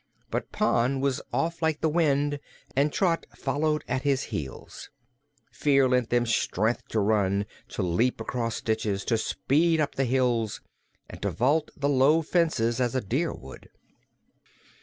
But Pon was off like the wind, and Trot followed at his heels. Fear lent them strength to run, to leap across ditches, to speed up the hills and to vault the low fences as a deer would.